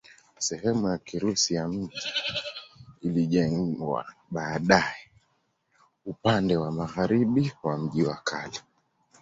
Sehemu ya Kirusi ya mji ilijengwa baadaye upande wa magharibi wa mji wa kale.